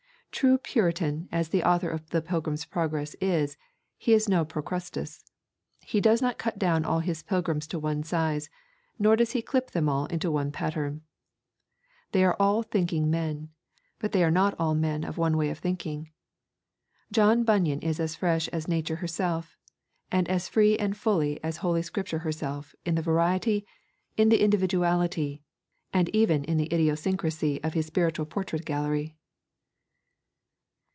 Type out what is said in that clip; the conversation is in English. True Puritan as the author of The Pilgrim's Progress is, he is no Procrustes. He does not cut down all his pilgrims to one size, nor does he clip them all into one pattern. They are all thinking men, but they are not all men of one way of thinking. John Bunyan is as fresh as Nature herself, and as free and full as Holy Scripture herself in the variety, in the individuality, and even in the idiosyncrasy of his spiritual portrait gallery.